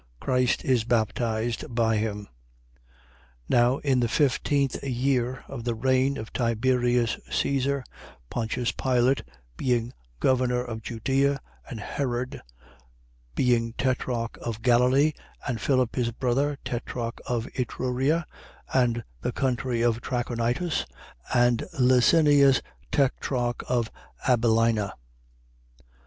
Christ is baptized by him. 3:1. Now in the fifteenth year of the reign of Tiberius Caesar, Pontius Pilate being governor of Judea, and Herod being tetrarch of Galilee, and Philip his brother tetrarch of Iturea and the country of Trachonitis, and Lysanias tetrarch of Abilina: 3:2.